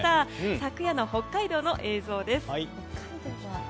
昨夜の北海道の映像です。